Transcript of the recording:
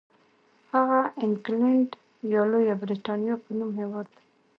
هغه انګلنډ یا لویه برېټانیا په نوم هېواد دی.